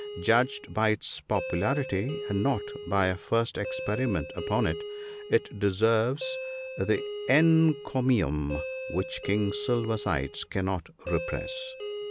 Judged by its popularity (and not by a first experiment upon it), it deserves the encomium which King Silver sides cannot repress.